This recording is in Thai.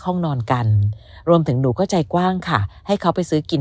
ห้องนอนกันรวมถึงหนูก็ใจกว้างค่ะให้เขาไปซื้อกิน